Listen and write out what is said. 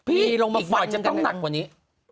อีกหน่อยจะต้องหนักกว่านี้พี่ลงมาฝั่งกันเลย